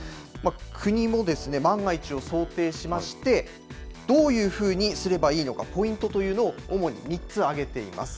国も万が一を想定しまして、どういうふうにすればいいのか、ポイントというのを主に３つ挙げています。